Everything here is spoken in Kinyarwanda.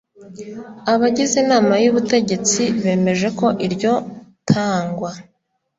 Abagize Inama y Ubutegetsi bemeje ko iryo tangwa